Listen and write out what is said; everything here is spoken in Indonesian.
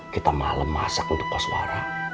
kita malam masak untuk paswara